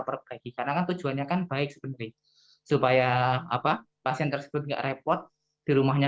perbaiki karena kan tujuannya kan baik sebenarnya supaya apa pasien tersebut nggak repot di rumahnya